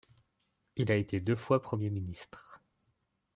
Il a été par deux fois Premier ministre.